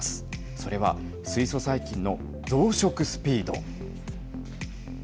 それは水素細菌の増殖スピード。